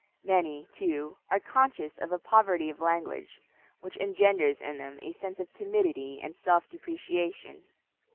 Many, too, are conscious of a poverty of language, which engenders in them a sense of timidity and self depreciation.